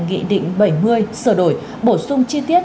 nghị định bảy mươi sửa đổi bổ sung chi tiết